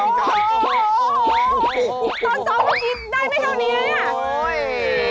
สอนมากิจได้ไม่ค่อนนี้